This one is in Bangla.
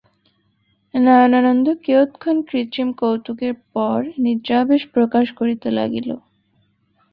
নয়নানন্দ কিয়ৎ ক্ষণ কৃত্রিম কৌতুকের পর নিদ্রাবেশ প্রকাশ করিতে লাগিল।